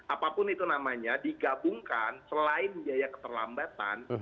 apapun itu namanya digabungkan selain biaya keterlambatan